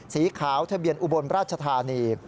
สีขาวทะเบียนอุบลราชธานี